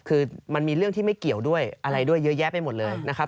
คือมันมีเรื่องที่ไม่เกี่ยวด้วยอะไรด้วยเยอะแยะไปหมดเลยนะครับ